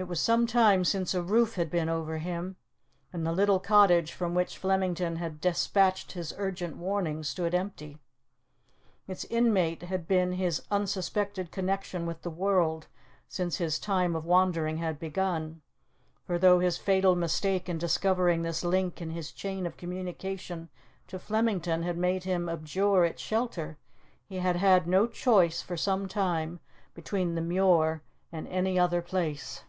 It was some time since a roof had been over him, and the little cottage from which Flemington had despatched his urgent warning stood empty. Its inmate had been his unsuspected connection with the world since his time of wandering had begun; for though his fatal mistake in discovering this link in his chain of communication to Flemington had made him abjure its shelter, he had had no choice for some time between the Muir and any other place.